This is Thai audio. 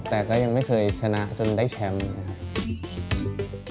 แต่ก็ยังไม่เคยชนะจนได้แชมป์นะครับ